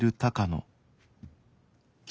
君！